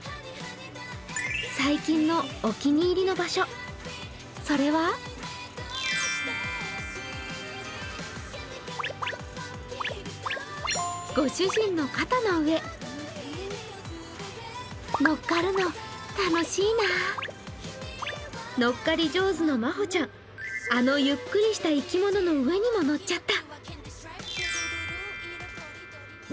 最近のお気に入りの場所、それは乗っかり上手のまほちゃん、あのゆっくりした生き物の上にも乗っちゃった。